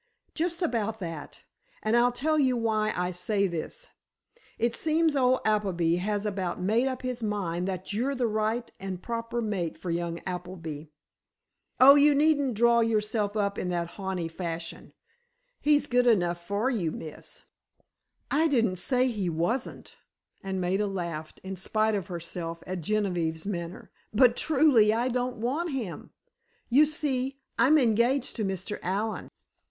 "Just about that. And I'll tell you why I say this. It seems old Appleby has about made up his mind that you're the right and proper mate for young Appleby. Oh, you needn't draw yourself up in that haughty fashion—he's good enough for you, Miss!" "I didn't say he wasn't," and Maida laughed in spite of herself at Genevieve's manner. "But, truly, I don't want him. You see I'm engaged to Mr. Allen."